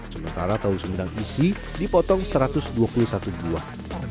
sementara tahu sendang isi dipotong satu ratus dua puluh satu buah